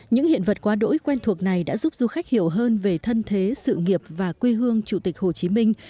những hiện vật quá đỗi quen thuộc này đã giúp du khách hiểu hơn về thân thế sự nghiệp và quê hương chủ tịch hồ chí minh